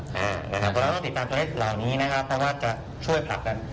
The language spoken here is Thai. พวกเราต้องติดตามตัวเล็กเหล่านี้นะครับเพราะว่าจะช่วยพรับกัน